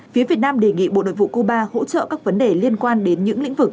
phía việt nam đề nghị bộ nội vụ cuba hỗ trợ các vấn đề liên quan đến những lĩnh vực